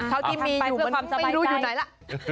เท่าที่มีอยู่มันไม่รู้อยู่ไหนละ